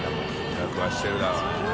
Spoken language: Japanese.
予約はしてるだろうね。